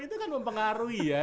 itu kan mempengaruhi ya